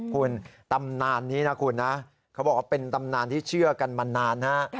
คุณตำนานนี้นะคุณนะเป็นตำนานที่เชื่อกันมานานนะ